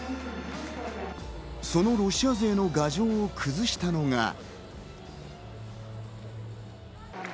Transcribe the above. そのロシア勢の牙城を崩したのが。